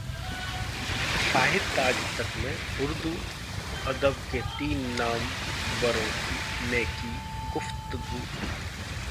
साहित्य आजतक में उर्दू अदब के तीन नामवरों ने की गुफ्तगू